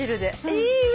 いいわ。